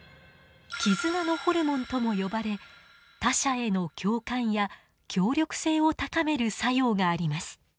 絆のホルモンとも呼ばれ他者への共感や協力性を高める作用があります。